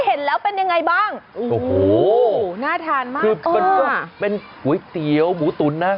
เห็นแล้วเป็นยังไงบ้างโอ้โหน่าทานมากคือมันก็เป็นก๋วยเตี๋ยวหมูตุ๋นนะ